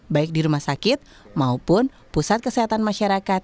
baik di rumah sakit maupun pusat kesehatan masyarakat